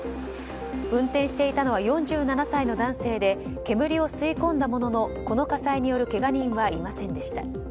運転していたのは４７歳の男性で煙を吸い込んだもののこの火災によるけが人はいませんでした。